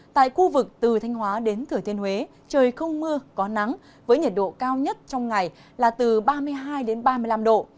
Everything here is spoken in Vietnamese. tại khu vực từ thanh hóa đến thửa thiên huế trời không mưa có nắng với nhiệt độ cao nhất trong ngày là từ ba mươi hai ba mươi năm độ